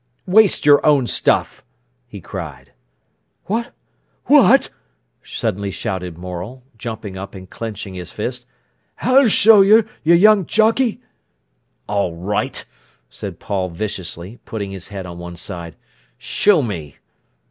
"Waste your own stuff!" he cried. "What—what!" suddenly shouted Morel, jumping up and clenching his fist. "I'll show yer, yer young jockey!" "All right!" said Paul viciously, putting his head on one side. "Show me!"